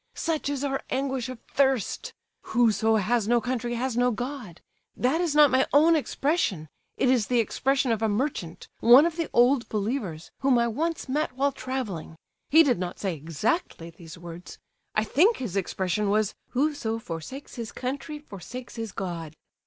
Such is our anguish of thirst! 'Whoso has no country has no God.' That is not my own expression; it is the expression of a merchant, one of the Old Believers, whom I once met while travelling. He did not say exactly these words. I think his expression was: "'Whoso forsakes his country forsakes his God.